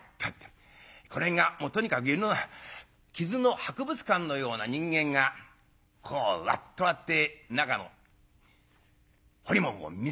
これがもうとにかく傷の博物館のような人間がこうワッと割って中の彫り物を見せながらやって来た。